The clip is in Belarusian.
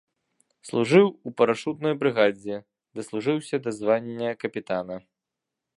Служыў у парашутнай брыгадзе, даслужыўся да звання капітана.